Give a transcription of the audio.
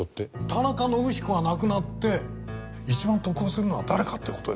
田中伸彦が亡くなって一番得をするのは誰かって事ですよ。